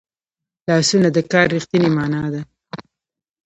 لاسونه د کار رښتینې مانا ده